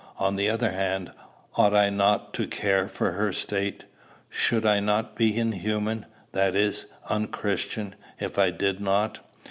On the other hand, ought I not to care for her state? Should I not be inhuman, that is, unchristian, if I did not?